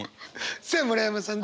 さあ村山さん